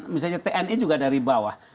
misalnya tni juga dari bawah